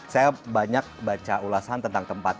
saya banyak baca ulasan tentang tempat